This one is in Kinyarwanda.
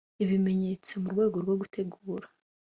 ibimenyetso mu rwego rwo gutegura